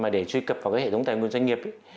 để truy cập vào hệ thống tài nguồn doanh nghiệp